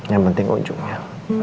yang penting ujungnya